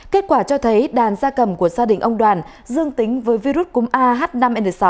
kết quả cho thấy đàn xa cầm của gia đình ông đoàn dương tính với virus cúm a h năm n sáu